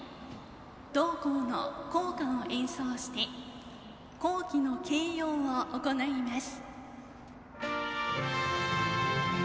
同校の校歌を演奏して校旗の掲揚を行います。